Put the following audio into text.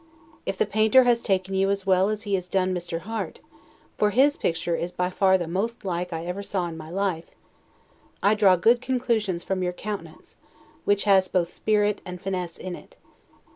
If the painter has taken you as well as he has done Mr. Harte (for his picture is by far the most like I ever saw in my life), I draw good conclusions from your countenance, which has both spirit and finesse in it.